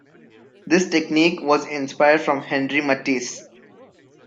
This technique was inspired from Henri Matisse.